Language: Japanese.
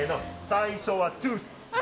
最初はトゥース！